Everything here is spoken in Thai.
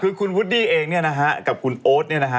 คือคุณวุดดี้เองเนี่ยนะฮะกับคุณโอ๊ตเนี่ยนะฮะ